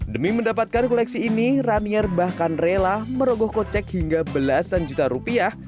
demi mendapatkan koleksi ini ranier bahkan rela merogoh kocek hingga belasan juta rupiah